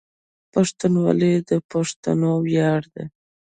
پښتونولي د پښتنو ویاړ ده.